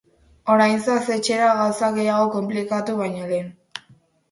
Orain zoaz etxera gauzak gehiago konplikatu baino lehen.